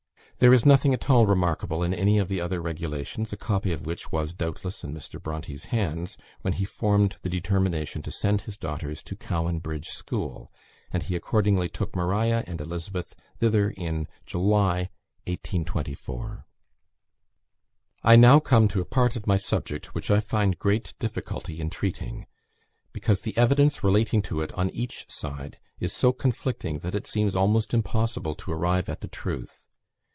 There is nothing at all remarkable in any of the other regulations, a copy of which was doubtless in Mr. Bronte's hands when he formed the determination to send his daughters to Cowan Bridge School; and he accordingly took Maria and Elizabeth thither in July, 1824. I now come to a part of my subject which I find great difficulty in treating, because the evidence relating to it on each side is so conflicting that it seems almost impossible to arrive at the truth.